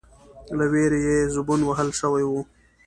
، له وېرې يې زبون وهل شوی و،